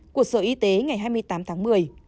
của sở y tế ngày hai mươi tám tháng một mươi